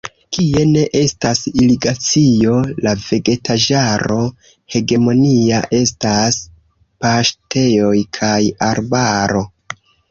Kie ne estas irigacio, la vegetaĵaro hegemonia estas paŝtejoj kaj arbaro.